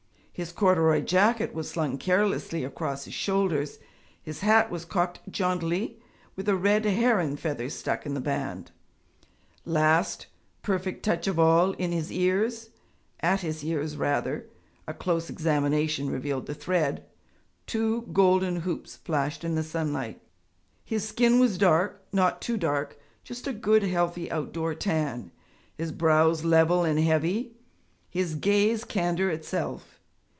His corduroy jacket was slung carelessly across his shoulders, his hat was cocked jauntily, with a red heron feather stuck in the band; last, perfect touch of all, in his ears at his ears rather (a close examination revealed the thread) two golden hoops flashed in the sunlight. His skin was dark not too dark just a good healthy out door tan: his brows level and heavy, his gaze candour itself.